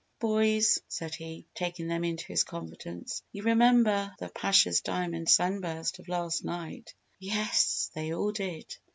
"Boys," said he, taking them into his confidence, "you remember the Pasha's diamond sunburst of last night?" Yes, they all did.